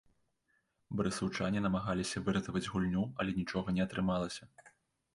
Барысаўчане намагаліся выратаваць гульню, але нічога не атрымалася.